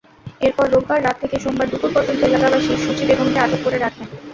এরপর রোববার রাত থেকে সোমবার দুপুর পর্যন্ত এলাকাবাসী সূচী বেগমকে আটক করে রাখেন।